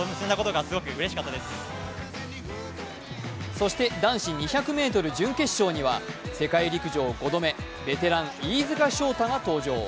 そして男子２００ｍ準決勝には世界陸上５度目、ベテラン・飯塚翔太が登場。